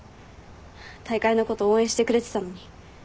大会のこと応援してくれてたのに。